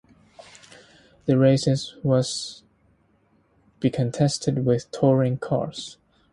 The races was be contested with touring cars.